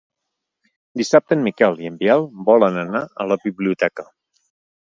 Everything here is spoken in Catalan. Dissabte en Miquel i en Biel volen anar a la biblioteca.